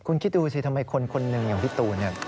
คุณคิดดูสิทำไมคนคนหนึ่งอย่างพี่ตูน